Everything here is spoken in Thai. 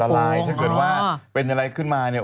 ลายถ้าเกิดว่าเป็นอะไรขึ้นมาเนี่ย